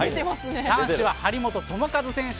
男子は張本智和選手